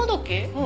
うん。